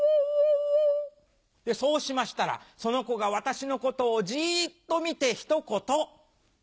そうしましたらその子が私のことをジっと見てひと言。